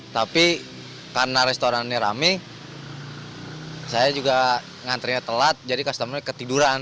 tapi karena restorannya rame saya juga ngantrinya telat jadi customer nya ketiduran